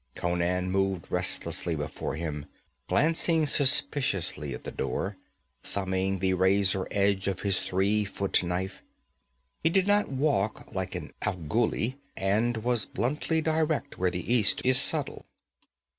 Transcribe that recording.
Conan moved restlessly before him, glancing suspiciously at the door, thumbing the razor edge of his three foot knife. He did not walk like an Afghuli, and was bluntly direct where the East is subtle.